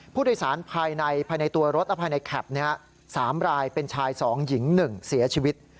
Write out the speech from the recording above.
ภายในภายในตัวรถและภายในแคปนี้๓รายเป็นชาย๒หญิง๑เสียชีวิต